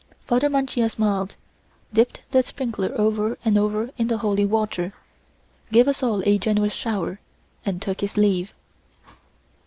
Father Mancia smiled, dipped the sprinkler over and over in the holy water, gave us all a generous shower, and took his leave.